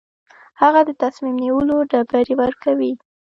هغه د تصمیم نیولو ډبرې ورکوي.